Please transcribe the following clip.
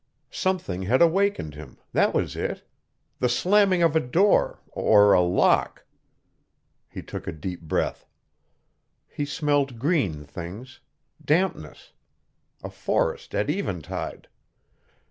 Something had awakened him that was it. The slamming of a door ... or a lock. He look a deep breath. He smelled green things. Dampness. A forest at eventide....